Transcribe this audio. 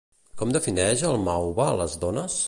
Com defineix el Mauva les dones?